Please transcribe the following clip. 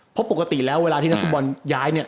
เพราะปกติแล้วเวลาที่นักฟุตบอลย้ายเนี่ย